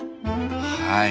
はい。